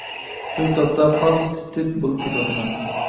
شۇ تاپتا قالتىس تىت-تىت بولۇپ كېتىۋاتىمەن.